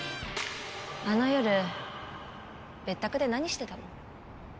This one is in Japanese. あの夜別宅で何してたの？